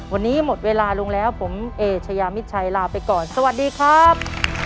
วันนี้หมดเวลาลงแล้วผมเอเชยามิดชัยลาไปก่อนสวัสดีครับ